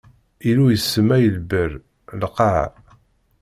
Illu isemma i lberr: lqaɛa.